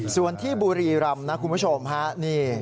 ส่วนที่บุรีรำนะคุณผู้ชมฮะนี่